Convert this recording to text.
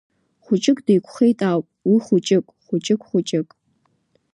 Хәыҷык деиқәхеит ауп, уи хәыҷык, хәыҷык, хәыҷык!